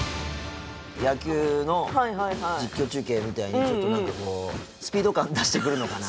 野球の実況中継みたいにちょっと何かこうスピード感出してくるのかな。